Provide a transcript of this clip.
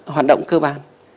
hoạt động cơ bản